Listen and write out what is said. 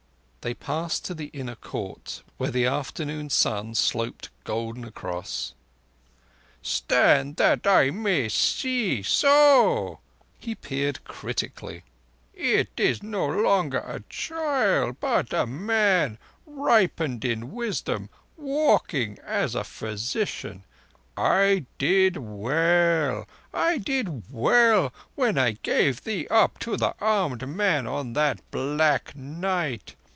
They passed to the inner court, where the afternoon sun sloped golden across. "Stand that I may see. So!" He peered critically. "It is no longer a child, but a man, ripened in wisdom, walking as a physician. I did well—I did well when I gave thee up to the armed men on that black night.